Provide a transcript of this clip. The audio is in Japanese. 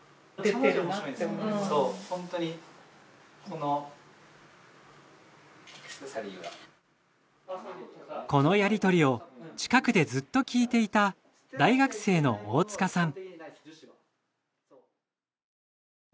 このやりとりを近くでずっと聞いていた大学生の大束さん。